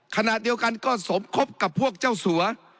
ขณะเดียวกันก็สมคบกับพวกเจ้าสัว